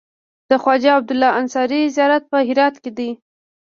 د خواجه عبدالله انصاري زيارت په هرات کی دی